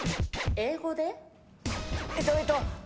英語で？